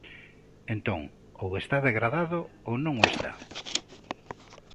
Entón, ou está degradado ou non o está.